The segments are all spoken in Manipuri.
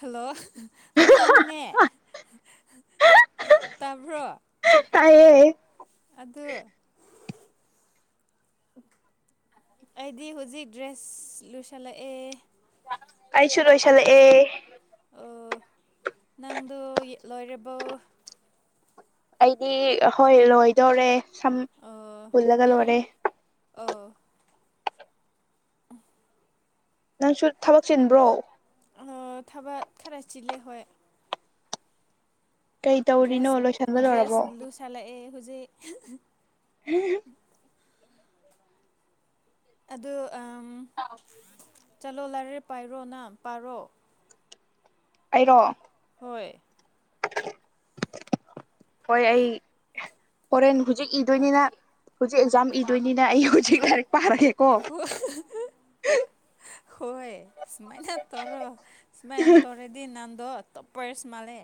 ꯍꯜꯂꯣ ꯅꯪꯅꯦ ꯇꯥꯕ꯭ꯔꯣ ꯇꯥꯏꯌꯦ ꯑꯗꯨ [inaudible] ꯑꯩꯗꯤ ꯍꯧꯖꯤꯛ ꯗ꯭ꯔꯦꯁ ꯂꯣꯏꯁꯜꯂꯛꯑꯦ ꯑꯩꯁꯨ ꯂꯣꯏꯁꯜꯂꯛꯑꯦ ꯎꯝ ꯅꯪꯗꯣ ꯌꯦꯠꯂꯣꯏꯔꯕꯣ ꯑꯩꯗꯤ ꯍꯣꯏ ꯂꯣꯏꯗꯧꯔꯦ ꯁꯝ ꯑꯣ ꯄꯨꯜꯂꯒ ꯂꯣꯏꯔꯦ ꯑꯣ ꯅꯪꯁꯨ ꯊꯕꯛ ꯆꯤꯟꯕ꯭ꯔꯣ ꯊꯕꯛ ꯈꯔ ꯆꯤꯜꯂꯦ ꯍꯣꯏ ꯀꯩ ꯇꯧꯔꯤꯅꯣ ꯗ꯭ꯔꯦꯁ ꯂꯣꯏꯁꯟꯕ ꯂꯣꯏꯔꯕꯣ ꯗ꯭ꯔꯦꯁ ꯂꯨ ꯁꯜꯂꯛꯑꯦ ꯍꯧꯖꯤꯛ [unintelligible] ꯑꯗꯣ ꯑ ꯆꯠꯂꯣ ꯂꯥꯏꯔꯦ ꯄꯥꯏꯔꯣ ꯅꯪ ꯄꯥꯔꯣ ꯑꯩꯔꯣ ꯍꯣꯏ ꯍꯣꯏ ꯑꯩ ꯍꯣꯔꯦꯟ ꯍꯧꯖꯤꯛ ꯏꯗꯣꯏꯅꯤꯅ ꯍꯧꯖꯤꯛ ꯑꯦꯛꯖꯥꯝ ꯏꯗꯣꯏꯅꯤꯅ ꯑꯩ ꯍꯧꯖꯤꯛ ꯂꯥꯏꯔꯤꯛ ꯄꯥꯔꯒꯦ [unintelligible] ꯍꯣꯏ ꯁꯨꯃꯥꯏꯅ ꯇꯧꯔꯣ ꯁꯨꯃꯥꯏꯅ ꯇꯧꯔꯗꯤ ꯅꯪ ꯗꯣ ꯇꫭꯞꯄꫪꯁ ꯃꯥꯜꯂꯦ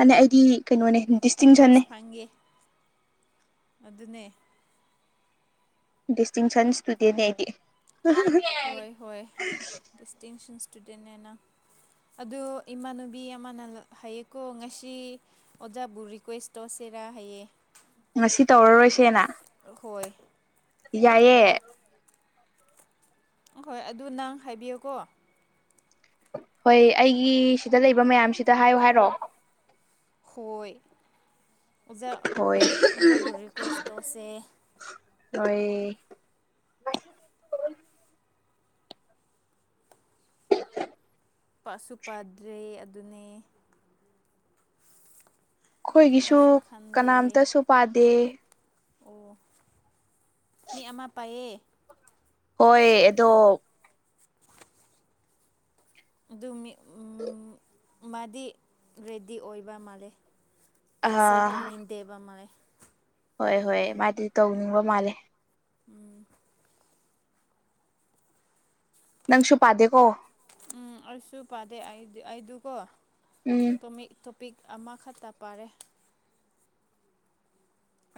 ꯑꯅꯦ ꯑꯩꯗꯤ ꯀꯩꯅꯣꯅꯦ ꯗꯤꯁꯇꯤꯡꯁꯟꯅꯦ ꯇꯣꯞꯄꯔꯁ ꯐꯪꯒꯦ ꯑꯗꯨꯅꯦ ꯗꯤꯁꯇꯤꯡꯁꯟ ꯁ꯭ꯇꯨꯗꯦꯟ ꯅꯦ ꯑꯩꯗꯤ ꯍꯣꯏ ꯍꯣꯏ ꯗꯤꯁꯇꯤꯡꯁꯟ ꯏꯁꯇꯨꯗꯦꯟꯅꯦ ꯅꯪ ꯑꯗꯨ ꯏꯃꯥꯟꯅꯕꯤ ꯑꯃꯅ ꯍꯥꯏꯌꯦꯀꯣ ꯉꯁꯤ ꯑꯣꯖꯥꯕꯨ ꯔꯤꯀ꯭ꯋꯦꯁ ꯇꯧꯁꯦ ꯇꯦꯔꯥ ꯍꯌꯦ ꯉꯁꯤ ꯇꯧꯔꯔꯣꯏꯁꯦꯅ ꯍꯣꯏ ꯌꯥꯏꯌꯦ ꯑꯍꯣꯏ ꯑꯗꯨ ꯅꯪ ꯍꯥꯏꯕꯤꯌꯨꯀꯣ ꯍꯣꯏ ꯑꯩꯒꯤ ꯁꯤꯗ ꯂꯩꯕ ꯃꯌꯥꯝꯁꯤꯗ ꯍꯥꯏꯌꯣ ꯍꯥꯏꯔꯣ ꯍꯣꯏ ꯑꯣꯖꯥ ꯍꯣꯏ ꯅꯣꯏ ꯑꯣꯖꯥꯕꯨ ꯔꯤꯀ꯭ꯋꯦꯁ ꯇꯧꯁꯦ ꯑꯣꯏ [unintelligible] ꯄꯁꯨ ꯄꯥꯗ꯭ꯔꯦ ꯑꯗꯨꯅꯦ ꯈꯣꯏꯒꯤꯁꯨ ꯈꯟꯁꯨ ꯈꯟꯗꯦ ꯀꯅꯥꯝꯇꯁꯨ ꯄꯥꯗꯦ ꯑꯣ ꯃꯤ ꯑꯃ ꯄꯥꯏꯌꯦ ꯍꯣꯏ ꯑꯗꯣ ꯑꯗꯨ ꯃꯥꯗꯤ ꯔꯦꯗꯤ ꯑꯣꯏꯕ ꯃꯥꯜꯂꯦ ꯀꯦꯟꯁꯦꯜ ꯑꯥ ꯇꯡꯅꯤꯗꯦꯕ ꯃꯥꯏ ꯍꯣꯏ ꯍꯣꯏ ꯃꯥꯗꯤ ꯇꯧꯅꯤꯡꯕ ꯃꯥꯜꯂꯦ ꯎꯝ ꯅꯪꯁꯨ ꯄꯥꯗꯦꯀꯣ ꯎꯝ ꯑꯩꯁꯨ ꯄꯥꯗꯦ ꯑꯩ ꯑꯩꯗꯨꯀꯣ ꯎꯝ ꯇꫭꯃꯤꯛ ꯄꯤꯛ ꯑꯃꯈꯛꯇ ꯄꯥꯔꯦ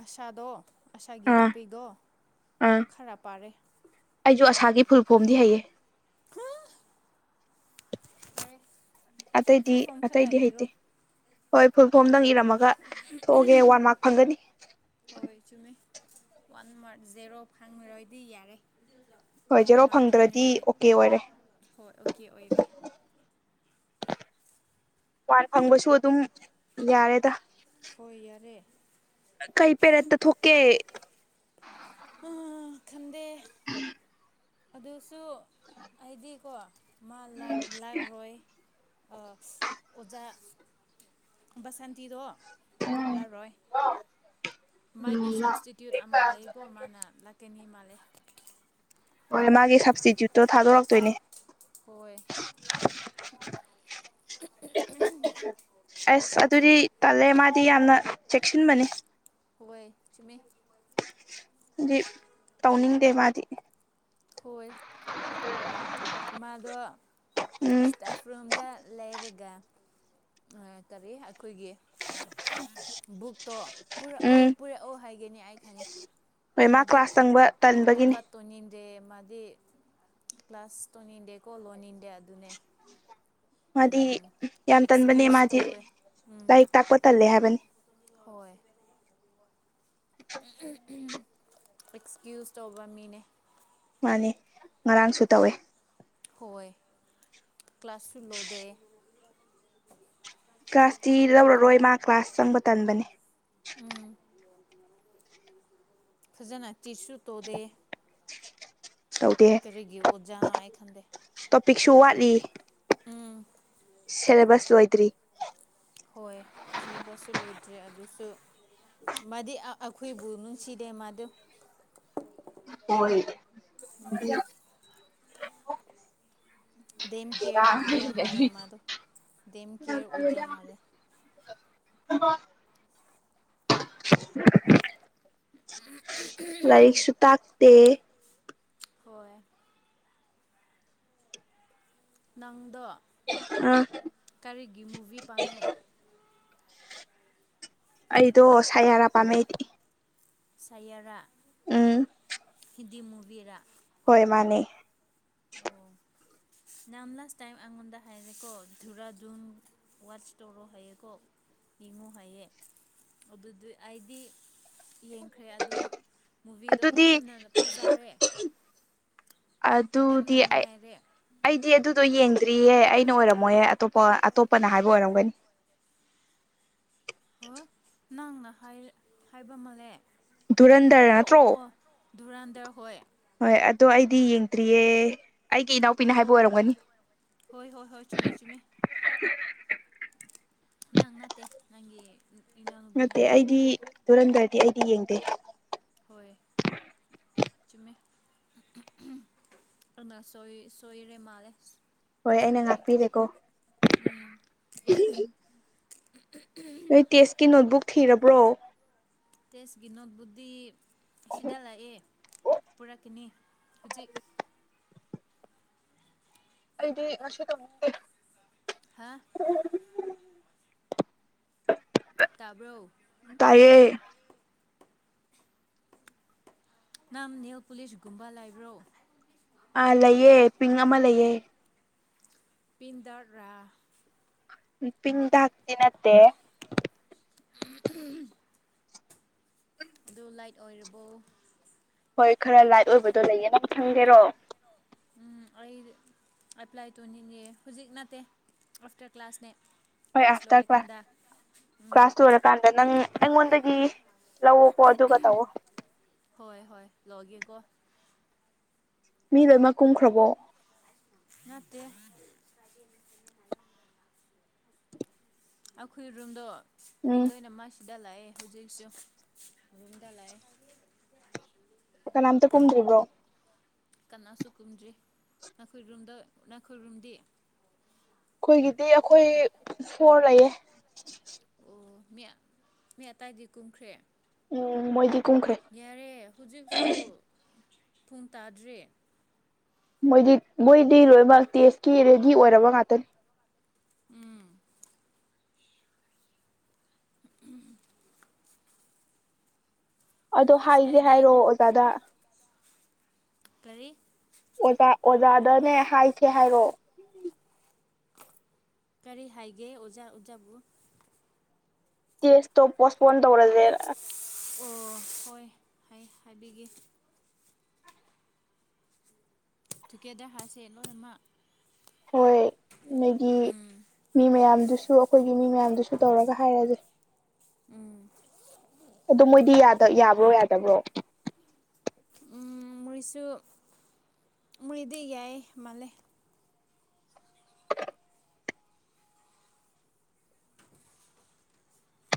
ꯑꯁꯥꯗꯣ ꯑꯁꯥꯒꯤ ꯑꯥ ꯇꯣꯄꯤꯛꯗꫭ ꯑꯥ ꯈꯔ ꯄꯥꯔꯦ ꯑꯩꯁꯨ ꯑꯁꯥꯒꯤ ꯐꯨꯜ ꯐꯣꯝꯗꯤ ꯍꯩꯌꯦ ꯍꯝ ꯑꯇꯩꯗꯤ ꯐꯨꯜ ꯐꯣꯝ ꯈꯛꯇ ꯑꯇꯩꯗꯤ ꯏꯔꯣ ꯍꯩꯇꯦ ꯍꯣꯏ ꯐꯨꯜ ꯐꯣꯝ ꯗꯪ ꯏꯔ ꯃꯒ ꯊꯣꯛꯑꯒꯦ ꯋꯥꯟ ꯃꯥꯔꯛ ꯐꯪꯒꯅꯤ ꯍꯣꯏ ꯆꯨꯝꯃꯦ ꯋꯥꯟ ꯃꯥꯔꯛ ꯖꯦꯔꯣ ꯐꯪꯉꯔꯣꯏꯗꯤ ꯌꯥꯔꯦ ꯍꯣꯏ ꯋꯥꯟ ꯖꯦꯔꯣ ꯃꯥꯔꯛ ꯐꯪꯗ꯭ꯔꯗꯤ ꯐꯥꯡꯔꯦꯗꯤ ꯑꯣꯀꯦ ꯑꯣꯏꯔꯦ ꯍꯣꯏ ꯑꯣꯀꯦ ꯑꯣꯏꯔꯦ ꯋꯥꯟ ꯐꯪꯕꯁꯨ ꯑꯗꯨꯝ ꯌꯥꯔꯦꯗ ꯍꫭꯏ ꯌꯥꯔꯦ ꯀꯩ ꯄꯦꯔꯠꯇ ꯊꯣꯛꯀꯦ ꯑ ꯈꯟꯗꯦ ꯑꯗꯨꯁꯨ ꯑꯩꯗꯤꯀꯣ ꯃꯥ ꯂꯥꯛ ꯂꯥꯛꯔꯣꯏ ꯑꯁ ꯑꯣꯖꯥ ꯕꯁꯟꯇꯤꯗꯣ ꯂꯔꯣꯏ ꯃꯒꯤ ꯁꯕꯁꯇꯤꯇꯨꯠ ꯑꯃꯥ ꯂꯩꯑꯀꯣ ꯃꯥꯅ ꯂꯀꯅꯤ ꯃꯥꯜ ꯍꯣꯏ ꯃꯥꯒꯤ ꯁꯞꯁꯇꯤꯇ꯭ꯌꯨꯠꯇꯣ ꯊꯥꯗꯣꯔꯛꯇꯣꯏꯅꯦ ꯍꯣꯏ [unintelligible] ꯑꯁ ꯑꯗꯨꯗꯤ ꯇꯜꯂꯦ ꯃꯥꯗꯤ ꯌꯥꯝꯅ ꯆꯦꯛꯁꯤꯟꯕꯅꯤ ꯍꫭꯏ ꯆꯨꯝꯃꯦ ꯑꯗꯨꯗꯤ ꯇꯧꯅꯤꯡꯗꯦ ꯃꯥꯗꯤ ꯍꯣꯏ ꯃꯥꯗꯣ ꯎꯝ ꯏꯁꯇꯥꯐ ꯔꯨꯝꯗ ꯂꯩꯔꯒ ꯑ ꯀꯔꯤ ꯑꯩꯈꯣꯏꯒꯤ ꯕꯨꯛꯇꯣ ꯄꯨꯔꯛꯑꯣ ꯎꯝ ꯄꯨꯔꯛꯑꯣ ꯍꯥꯏꯒꯦꯅꯤ ꯑꯩ ꯈꯪꯉꯦ ꯍꯣꯏ ꯃꯥ ꯃꯥꯗꯤ ꯀ꯭ꯂꯥꯁ ꯆꯪꯕ ꯇꯟꯕꯒꯤꯅꯤ ꯊꯕꯛ ꯇꯧꯅꯤꯡꯗꯦ ꯃꯥꯗꯤ ꯀ꯭ꯂꯥꯁ ꯇꯣꯡꯅꯤꯡꯗꯦꯀꯣ ꯂꯣꯟꯅꯤꯡꯟꯗꯦ ꯑꯗꯨꯅꯦ ꯃꯥꯗꯤ ꯌꯥꯝ ꯇꯟꯕꯅꯦ ꯑꯦꯛꯁꯀ꯭ꯌꯨꯁ ꯃꯥꯗꯤ ꯇꯧꯋꯦ ꯎꯝ ꯂꯥꯏꯔꯤꯛ ꯇꯥꯛꯄ ꯇꯜꯂꯦ ꯍꯥꯏꯕꯅꯤ ꯍꯣꯏ ꯑꯦꯛꯁꯀ꯭ꯌꯨꯁ ꯇꯧꯕ ꯃꯤꯅꯦ ꯃꯥꯅꯤ ꯉꯔꯥꯡꯁꯨ ꯇꯧꯋꯦ ꯍꯣꯏ ꯀ꯭ꯂꯥꯁ ꯁꯨ ꯂꯣꯗꯦ ꯀ꯭ꯂꯥꯁ ꯇꯤ ꯂꯧꯔꯔꯣꯏ ꯃꯥ ꯀ꯭ꯂꯥꯁ ꯆꯪꯕ ꯇꯟꯕꯅꯦ ꯎꯝ ꯐꯖꯅ ꯆꯤꯁꯨꯨ ꯇꯣꯗꯦ [unintelligible] ꯀꯔꯤꯒꯤ ꯑꯣꯖꯥꯅꫭ ꯑꯩ ꯈꯪꯗꯦ ꯇꯣꯄꯤꯛꯁꯨ ꯋꯥꯠꯂꯤ ꯎꯝ ꯁꯤꯂꯦꯕꯁ ꯂꯣꯏꯇ꯭ꯔꯤ ꯍꯣꯏ ꯁꯤꯂꯦꯕꯁꯁꯨ ꯂꯣꯏꯗ꯭ꯔꯦ ꯑꯗꯨꯁꯨ ꯃꯥꯗꯤ ꯑꯩꯈꯣꯏꯕꯨ ꯅꯨꯡꯁꯤꯗꯦ ꯃꯥꯗꯨ ꯍꯣꯏ [unintelligible] ꯗꯦꯝ ꯀꯦꯌꫪ ꯒꯨꯝꯕꯥ ꯃꯥꯂꯦ ꯃꯥꯗꯨ ꯗꯦꯝ ꯀꯦꯔꫪ ꯎꯖꯥ ꯃꯥꯂꯦ [unintelligible] ꯂꯥꯏꯔꯤꯛꯁꯨ ꯇꯥꯛꯇꯦ ꯍꯣꯏ ꯅꯪꯗꯣ ꯑ ꯀꯔꯤꯒꯤ ꯃꯨꯚꯤ ꯄꯥꯝꯃꯦ ꯑꯩꯗꯣ ꯁꯌꯥꯔꯥ ꯄꯥꯝꯃꯦ ꯑꯩꯗꯤ ꯁꯌꯥꯔꯥ ꯎꯝ ꯗꯤ ꯃꯨꯕꯤꯔꯥ ꯍꯣꯏ ꯃꯥꯅꯦ [unintelligible] ꯅꯝ ꯂꯥꯁ ꯇꯥꯏꯝ ꯑꯩꯉꯣꯟꯗꯥ ꯍꯥꯏꯔꯦꯀꯣ ꯊꯨꯔꯥ ꯗꯨꯝ ꯋꯥꯁ ꯇꯧꯔꯣ ꯍꯥꯏꯌꯦꯀꯣ ꯌꯦꯡꯉꯨ ꯍꯥꯏꯌꯦ ꯑꯗꯨꯗꯤ ꯑꯩꯗꯤ ꯌꯦꯡꯈ꯭ꯔꯦ ꯑꯗꯨ ꯃꯨꯚꯤꯗꯣ ꯑꯗꯨꯗꯤ ꯌꯥꯝꯅ ꯐꯖꯔꯦ ꯌꯥꯝꯅ ꯑꯗꯨꯗꯤ ꯑꯩ ꯅꯨꯡꯉꯥꯏꯔꯦ ꯑꯩꯗꯤ ꯑꯗꯨ ꯑꯗꯨꯣ ꯌꯦꯡꯗ꯭ꯔꯤꯌꯦꯦ ꯑꯩꯅ ꯑꯣꯏꯔꯝꯃꯣꯍꯦ ꯑꯇꯣꯞꯄ ꯑꯇꯣꯞꯄꯅ ꯍꯥꯏꯕ ꯑꯣꯏꯔꯝꯒꯅꯤ [inaudible] ꯍꯣꯏ ꯅꯪꯅ ꯍꯥꯏ ꯍꯥꯏꯕ ꯃꯥꯜꯂꯦ ꯙꯨꯔꯟꯗꯔ ꯑꯣ ꯅꯠꯇ꯭ꯔꯣ ꯑꯣ ꯑꯣ ꯙꯨꯔꯥꯟꯗꯦ ꯍꯣꯏ ꯗꯣ ꯑꯩꯗꯤ ꯌꯦꯡꯗ꯭ꯔꯤꯌꯦ ꯑꯩꯒꯤ ꯏꯅꯥꯎꯄꯤꯅ ꯍꯥꯏꯕ ꯑꯣ ꯑꯣꯏꯔꯝꯒꯅꯤ ꯍꯣꯏ ꯍꯣꯏ ꯍꯣꯏ ꯆꯨꯝꯃꯦ ꯆꯨꯝꯃꯦ ꯅꯪ ꯅꯠꯇꯦ ꯅꯪꯒꯤ ꯏꯅꯥꯎꯅꯨꯄꯤꯅ ꯅꯠꯇꯦ ꯍꯥꯏꯌꯦ ꯑꯩꯗꯤ ꯇꯨꯔꯟꯗꯔꯗꯤ ꯑꯩꯗꯤ ꯌꯦꯡꯗꯦ ꯆꯨꯨꯝꯃꯦ [unintelligible] ꯁꯣꯏ ꯁꯣꯏꯔꯦ ꯃꯥꯂꯦ ꯍꯣꯏ ꯑꯩꯅ ꯉꯥꯛꯄꯤꯔꯦꯀꯣ ꯎꯝ ꯅꯣꯏ ꯇꯦꯁꯀꯤ ꯅꯣꯠꯕꯨꯛ ꯊꯤꯔꯕ꯭ꯔꯣ ꯇꯦꯁꯒꯤ ꯅꯣꯠ ꯕꯨꯛꯇꯤ ꯁꯤꯗ ꯂꯩꯌꯦ ꯄꯨꯔꯛ ꯀꯅꯤ ꯍꯧꯖꯤꯛ ꯑꯩꯗꯤ ꯉꯁꯤ ꯇꯧꯅꯤꯡꯗꯦ ꯍꯥ ꯇꯥꯕ꯭ꯔꯣ ꯇꯥꯏꯌꯦ ꯅꯝ ꯅꯦꯜ ꯄꯨꯂꯤꯁꯒꯨꯝꯕ ꯂꯥꯏꯕ꯭ꯔꯣ ꯑꯥ ꯂꯩꯑꯦ ꯄꯤꯡ ꯑꯃ ꯂꯩꯌꯦ ꯄꯤꯟꯗꯔꯥ ꯅꯨ ꯄꯤꯡꯗꯥꯛꯗꯤ ꯅꯠꯇꯦ ꯎꯝ ꯑꯗꯨ ꯂꯥꯏꯠ ꯑꯣꯏꯔꯕꯣ ꯍꯣꯏ ꯈꯔ ꯂꯥꯏꯠ ꯑꯣꯏꯕꯗꯣ ꯂꯩꯌꯦ ꯅꯪ ꯈꯪꯒꯦꯔꯣ ꯎꯝ ꯑꯩ ꯑꯦꯄ꯭ꯂꯥꯏ ꯇꯧꯅꯤꯡꯉꯦ ꯍꯧꯖꯤꯛ ꯅꯠꯇꯦ ꯑꯥꯐꯇꯔ ꯀ꯭ꯂꯥꯁꯅꯦ ꯍꯣꯏ ꯀ꯭ꯂꯥꯁ ꯑꯥꯐꯇꯔ ꯀ꯭ꯂꯥꯁ ꯂꯣꯏꯔꯀꯥꯟꯗ ꯎꯝ ꯀ꯭ꯂꯥꯁ ꯂꯣꯏꯔꯀꯥꯟꯗ ꯅꯪ ꯅꯉꯣꯟꯗꯒꯤ ꯂꯧ ꯑꯣꯀꯣ ꯑꯗꯨꯨꯒ ꯇꯧ ꯑꯣ ꯍꯣꯏ ꯍꯣꯏ ꯂꯣꯒꯦꯀꯣ ꯃꯤ ꯂꯣꯏꯃꯛ ꯀꯨꯝꯈ꯭ꯔꯕꯣ ꯉꯠꯇꯦ ꯑꯩꯈꯣꯏ ꯔꯨꯝꯗꯣ ꯃꯤ ꯎꯝ ꯂꯣꯏꯅꯃꯛ ꯗ ꯂꯩꯑꯦ ꯍꯧꯖꯤꯛꯁꯨ ꯔꯨꯨꯝꯗ ꯂꯩꯑꯦ ꯑꯣ ꯀꯥꯅꯥꯝꯇ ꯀꯨꯨꯝꯗꯤꯕ꯭ꯔꯣ ꯀꯅꯥꯁꯨ ꯀꯨꯝꯗ꯭ꯔꯤ ꯅꯥꯈꯣꯏꯔꯨꯝꯗ ꯅꯥꯈꯣꯏꯔꯨꯝꯗꯤ ꯑꯗꯨꯒꯤꯗꯤ ꯑꯩꯈꯣꯏ ꯐꯣꯔ ꯂꯩꯌꯦ ꯑꯣ ꯃꯤ ꯃꯤ ꯑꯇꯩꯗꯤ ꯇꯨꯝꯈ꯭ꯔꯦ ꯎꯝ ꯃꯣꯏꯗꯤ ꯀꯨꯝꯈ꯭ꯔꯦ ꯌꯥꯔꯦ ꯍꯧꯖꯤꯛꯁꯨ ꯄꯨꯡ ꯇꯥꯗ꯭ꯔꯤ ꯃꯣꯏꯗꯤ ꯃꯣꯏꯗꯤ ꯂꯣꯏꯅꯃꯛ ꯇꯦꯁꯀꯤ ꯔꯦꯗꯤ ꯑꯣꯏꯔꯕ ꯉꯥꯛꯇꯅꯤ ꯎꯝ ꯑꯗꯣ ꯑꯁ ꯍꯥꯏꯁꯦ ꯑꯩꯗꯤ ꯍꯥꯏꯔꯛꯑꯣ ꯑꯣꯖꯥꯗ ꯀꯔꯤ ꯑꯣꯖꯥ ꯑꯣꯖꯥꯗꯅꯦ ꯍꯥꯏꯁꯦ ꯍꯥꯏꯔꯛꯑꯣ ꯀꯔꯤ ꯍꯥꯏꯒꯦ ꯑꯣꯖꯥ ꯑꯣꯖꯥꯕꯨ ꯇꯦꯁꯇ ꯄꯣꯁꯄꯣꯟ ꯇꯔꯁꯦꯔ ꯑꯣ ꯍꯣꯏ ꯍꯥꯏꯕꯤꯒꯦ ꯆꯨꯀꯦꯗ ꯍꯥꯁꯦ ꯂꯣꯏꯃꯛ ꯍꯣꯏ ꯑꯗꯒꯤ ꯃꯤ ꯃꯌꯥꯝꯗꯨꯁꯨ ꯁꯨ ꯑꯩꯈꯣꯏꯒꯤ ꯃꯤ ꯃꯌꯥꯝꯗꯨꯁꯨ ꯇꯧꯔꯒ ꯍꯥꯏꯔꯁꯦ ꯎꯝ ꯑ ꯃꯣꯏꯗꯤ ꯌꯥꯕ꯭ꯔꯣ ꯌꯥꯗꯕ꯭ꯔꯣ ꯎ ꯃꯔꯤꯁꯨ ꯃꯔꯤꯗꯤ ꯌꯥꯏꯌꯦ ꯃꯥꯂꯦ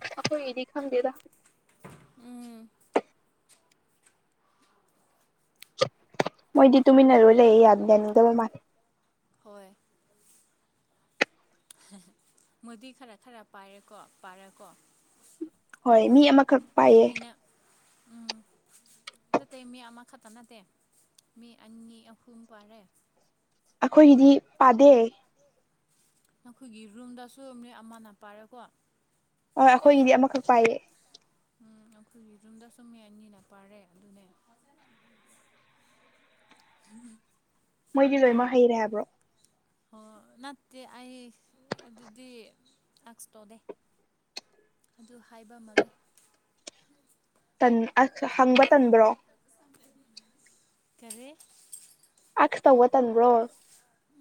ꯑꯩꯈꯣꯏꯒꯤꯗꯤ ꯈꯪꯗꯦꯗ ꯎꯝ ꯃꯣꯏꯗꯤ ꯇꯨꯃꯤꯟꯅꯔꯨꯂꯦ ꯌꯥꯗꯗꯅꯤꯗꯕ ꯃꯥ ꯍꯣꯏ ꯍꯍ ꯍ ꯃꯣꯏꯗꯤ ꯈꯔ ꯈꯔ ꯄꯥꯏꯔꯦꯀꯣ ꯄꯥꯔꯦꯀꯣ ꯍꯣꯏ ꯃꯤ ꯑꯗꯨꯅꯦ ꯑꯃꯈꯛ ꯄꯥꯏꯌꯦ ꯇꯨꯃꯤꯟꯅ ꯎꯝ ꯇꯥꯕ ꯉꯝꯗꯕ ꯅꯠꯇꯦ ꯃꯤ ꯑꯃ ꯈꯛꯇ ꯅꯠꯇꯦ ꯃꯤ ꯑꯅꯤ ꯑꯍꯨꯝ ꯄꯥꯔꯦ ꯑꯩꯈꯣꯏꯒꯤꯗꯤ ꯄꯥꯗꯦ ꯅꯈꯣꯏꯒꯤ ꯔꯨꯝꯗꯁꯨ ꯃꯤ ꯑꯃꯅ ꯄꯥꯏꯔꯦꯀꯣ ꯍꯣꯏ ꯑꯩꯈꯣꯏꯒꯤꯗꯤ ꯑꯃꯈꯛ ꯄꯥꯏꯌꯦ ꯎꯝ ꯑꯩꯈꯣꯏꯒꯤ ꯌꯨꯝꯗ ꯁꯨꯝ ꯃꯤ ꯑꯅꯤꯅ ꯄꯥꯔꯦ ꯑꯗꯨꯅꯦ ꯃꯣꯏꯗꯤ ꯂꯣꯏꯃꯛ ꯍꯩꯔꯦ ꯍꯥꯏꯕ꯭ꯔꯣ ꯑꯣ ꯅꯠꯇꯦ ꯑꯩ ꯑꯗꯨꯗꯤ ꯂꯥꯛꯁꯇꯣꯗꯦ ꯑꯗꯨ ꯍꯥꯏꯕ ꯃꯥꯜꯂꯦ ꯍꯪꯕ ꯇꯟꯕ꯭ꯔꯣ ꯀꯔꯤ ꯇꯥꯛꯁ ꯇꯧꯕ ꯇꯟꯕ꯭ꯔꯣ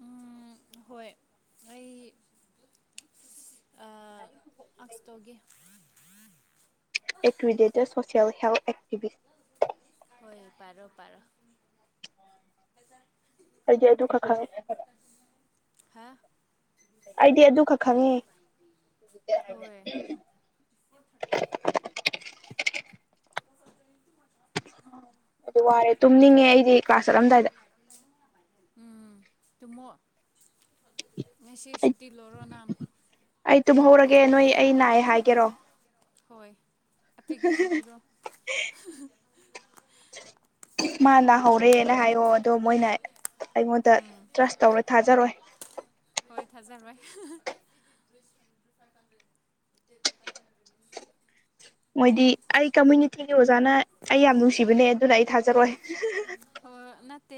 ꯎꯝ ꯍꯣꯏ ꯑꯩ ꯑ ꯇꯥꯛꯁ ꯇꯧꯒꯦ ꯑꯦꯀ꯭ꯔꯤꯗꯦꯇꯦꯠ ꯁꯣꯁꯤꯌꯦꯜ ꯍꯦꯜꯊ ꯑꯦꯛꯇꯤꯚꯁ ꯍꯣꯏ ꯄꯥꯔꯣ ꯄꯥꯔꯣ ꯑꯩꯗꯤ ꯑꯗꯨꯈꯛ ꯈꯪꯉꯦ ꯍꯥ ꯑꯩꯗꯤ ꯑꯗꯨ ꯈꯛ ꯈꯪꯉꯦ ꯍꯣꯏ [unintelligible] ꯑꯗꯨ ꯋꯥꯔꯦ ꯇꯨꯝꯅꯤꯡꯉꯦ ꯑꯩꯗꯤ ꯀ꯭ꯂꯥꯁ ꯆꯠꯂꯝꯗꯥꯏꯗ ꯎꯝ ꯇꯨꯝꯃꯣ ꯉꯁꯤ ꯁꯨꯇꯤ ꯂꯧꯔꯣ ꯅꯪ ꯑꯩ ꯇꯨꯝꯍꯧꯔꯒꯦ ꯅꯣꯏ ꯑꯩ ꯅꯥꯏ ꯍꯥꯏꯒꯦꯔꯣ ꯍꯣꯏ ꯑꯦꯄ꯭ꯂꯤꯀꯦꯁꯟ ꯏꯔꯣ ꯍꯍ ꯍꯨꯡ ꯃꯥ ꯅꯥꯍꯧꯔꯦꯅ ꯍꯥꯏꯌꯣ ꯑꯗꯣ ꯃꯣꯏꯅ ꯑꯩꯉꯣꯟꯗ ꯎꯝ ꯇ꯭ꯔꯁ ꯇꯧꯔꯣꯏ ꯊꯥꯖꯔꯣꯏ [unintelligible] ꯍꯣꯏ ꯊꯥꯖꯔꯣꯏ ꯍ ꯍ [unintelligible] ꯃꯣꯏꯗꯤ ꯑꯩ ꯀꯝꯃꯨꯅꯤꯇꯤꯒꯤ ꯑꯣꯖꯥꯅ ꯑꯩ ꯌꯥꯝ ꯅꯨꯡꯁꯤꯕꯅꯦ ꯑꯗꯨꯅ ꯑꯩ ꯊꯥꯖꯔꯣꯏ ꯍꯣꯏ ꯍꯣꯏ ꯅꯠꯇꯦ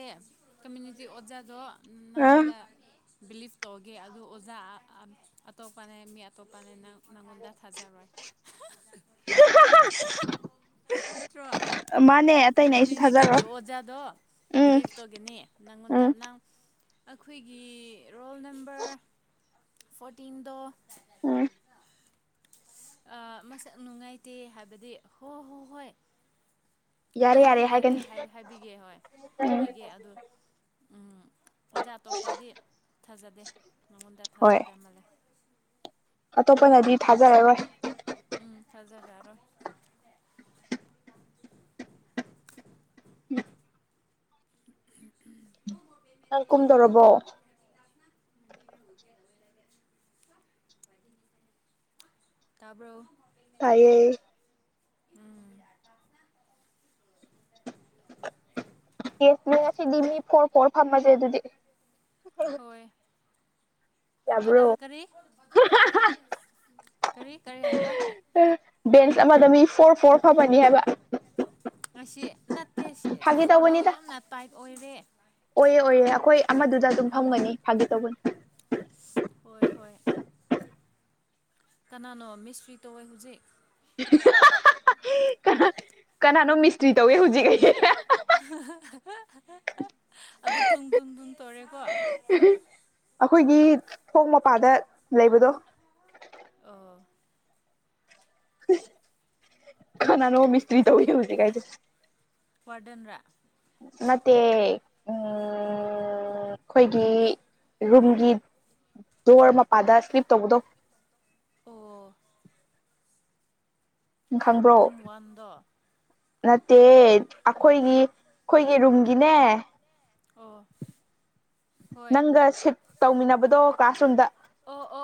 ꯀꯃꯨꯅꯤꯇꯤ ꯑꯣꯖꯥꯗ ꯑ ꯅꯪꯉꯣꯟꯗ ꯕꯤꯂꯤꯞ ꯇꯧꯒꯦ ꯑꯗꯨ ꯑꯣꯖꯥ ꯑꯇꯣꯞꯄꯅ ꯃꯤ ꯑꯇꯣꯞꯄꯅꯦꯅ ꯅꯪꯉꯣꯟꯗ ꯊꯥꯖꯔꯣꯏ ꯍꯍ ꯍ ꯍꯥ ꯃꯥꯅꯦ ꯑꯇꯩꯅꯦ ꯑꯩꯁꯨ ꯊꯥꯖꯔꯣ ꯒꯦ ꯑꯣꯖꯥꯗꯣ ꯕꯤꯂꯤꯐ ꯇꯧꯒꯦꯅꯤ ꯅꯪꯉꯣꯟꯗ ꯎꯝ ꯅꯪ ꯑꯩꯈꯣꯏꯒꯤ ꯔꯣꯜ ꯅꯝꯕꯔ ꯐꯣꯔꯇꯤꯟꯗꯣ ꯎꯝ ꯑ ꯃꯁꯛ ꯅꯨꯡꯉꯥꯏꯇꯦ ꯍꯥꯏꯕꯗꯤ ꯍꯣ ꯍꯣ ꯍꯣꯏ ꯌꯥꯔꯦ ꯌꯥꯔꯦ ꯍꯥꯏꯕꯤꯒꯦ ꯍꯣꯏ ꯎꯝ ꯍꯥꯏꯒꯦ ꯑꯗꯨ ꯎꯝ ꯑꯣꯖꯥ ꯑꯇꯣꯞꯄꯗꯤ ꯊꯥꯖꯗꯦ ꯃꯉꯣꯟꯗ ꯍꯣꯏ ꯊꯥꯖꯗꯦ ꯃꯥꯜꯂꯦ ꯑꯇꯣꯞꯄꯅꯗꯤ ꯊꯥꯖꯔꯔꯣꯏ ꯎꯝ ꯊꯥꯖꯔꯔꯣꯏ ꯎꯝ ꯅꯪ ꯀꯨꯝꯗꯣꯔꯕꯣ ꯇꯥꯕ꯭ꯔꯣ ꯇꯥꯏꯌꯦ ꯎꯝ ꯑꯦꯁ ꯅꯣꯏ ꯉꯁꯤꯗꯤ ꯃꯤ ꯐꯣꯔ ꯐꯣꯔ ꯐꯝꯃꯁꯦ ꯑꯗꯨꯗꯤ ꯍꯣꯏ ꯀꯗꯥ ꯌꯥꯕ꯭ꯔꯣ ꯀꯔꯤ ꯀꯔꯤ ꯀꯔꯤ ꯍꯥꯏꯕ ꯕꯦꯟꯁ ꯑꯃꯗ ꯃꯤ ꯐꯣꯔ ꯐꯣꯔ ꯐꯝꯃꯅꯤ ꯍꯥꯏꯕ ꯉꯁꯤ ꯅꯠꯇꯦ ꯁꯤ ꯐꯥꯒꯤ ꯐꯣꯔꯗꯨ ꯇꯧꯕꯅꯤꯗ ꯌꯥꯝꯅ ꯇꯥꯏꯠ ꯑꯣꯏꯔꯦ ꯑꯣꯏꯌꯦ ꯑꯣꯏꯌꯦ ꯑꯩꯈꯣꯏ ꯑꯃꯗꯨꯗ ꯑꯗꯨꯝ ꯎꯝ ꯐꯝꯒꯅꯤ ꯐꯥꯒꯤ ꯇꯧꯕꯅꯤ ꯍꯣꯏ ꯍꯣꯏ ꯀꯅꯥꯅꯣ ꯃꯤꯁꯇ꯭ꯔꯤ ꯇꯧꯋꯦ ꯍꯧꯖꯤꯛ ꯀꯅꯥ ꯀꯅꯥꯅ ꯃꯤꯁ ꯇ꯭ꯔꯤ ꯇꯧꯋꯦ ꯍꯧꯖꯤꯛ ꯀꯩ ꯑꯗꯨ ꯊꯨꯝ ꯊꯨꯝ ꯊꯨꯝ ꯇꯧꯔꯦꯀꯣ ꯑꯩꯈꯣꯏꯒꯤ ꯊꯣꯛ ꯃꯄꯥꯗ ꯂꯩꯕꯗꯣ ꯑꯥ ꯈꯥꯅꯥ ꯅ ꯃꯤꯁꯇꯔꯤ ꯇꯧꯧꯕꯁꯤ ꯀꯥꯏ ꯀꯗꯅ ꯃꯦ ꯎꯝ ꯑꯩꯈꯣꯏꯒꯤ ꯔꯨꯝꯒꯤ ꯗꯣꯔ ꯃꯄꯥꯗ ꯁ꯭ꯂꯤꯞ ꯇꯧꯕꯗꯣ ꯑꯣ ꯈꯪꯕ꯭ꯔꯣ ꯔꯝ ꯋꯥꯟꯗ ꯅꯠꯇꯦ ꯑꯩꯈꯣꯏꯒꯤ ꯑꯩꯈꯣꯏꯒꯤ ꯔꯨꯝꯒꯤꯅꯦ ꯑꯣ ꯍꯣꯏ ꯅꯪꯒ ꯁꯤꯐ ꯇꯧꯃꯤꯟꯅꯕꯗꯣ ꯀ꯭ꯂꯥꯁꯔꯨꯝꯗ ꯑꯣ ꯑꯣ